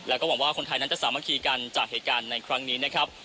แล้วก็หวังว่าคนไทยนั้นจะสามัคคีกันจากเหตุการณ์ในครั้งนี้นะครับ